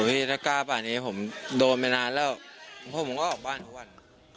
ถ้ากล้าป่านี้ผมโดนไปนานแล้วผมก็ออกบ้านทุกวัน